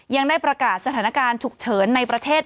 ยังได้ประกาศสถานการณ์ฉุกเฉินในประเทศ